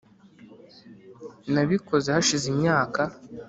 nabikoze hashize imyaka.